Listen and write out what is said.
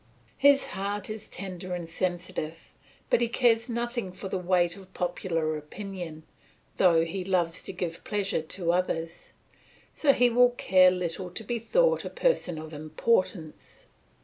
His heart is tender and sensitive, but he cares nothing for the weight of popular opinion, though he loves to give pleasure to others; so he will care little to be thought a person of importance.